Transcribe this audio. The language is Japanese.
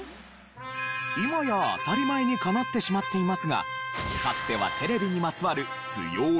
今や当たり前にかなってしまっていますがかつてはテレビにまつわる強い